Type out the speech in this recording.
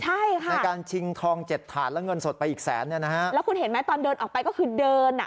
ใช่ค่ะในการชิงทองเจ็ดถาดแล้วเงินสดไปอีกแสนเนี่ยนะฮะแล้วคุณเห็นไหมตอนเดินออกไปก็คือเดินอ่ะ